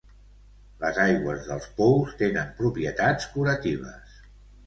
Les aigües dels pous tenen propietats curatives.